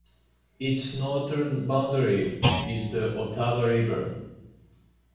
Its northern boundary is the Ottawa River.